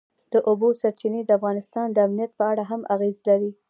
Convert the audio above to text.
د اوبو سرچینې د افغانستان د امنیت په اړه هم اغېز لري.